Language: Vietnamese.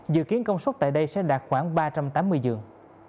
dự kiến công suất tại đây sẽ đạt khoảng ba trăm tám mươi giường